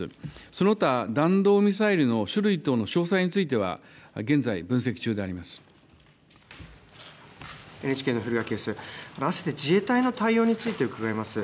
その他、弾道ミサイルの種類等の詳細については現在、分析中でああわせて自衛隊の対応について伺います。